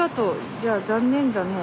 じゃあ残念だねえ。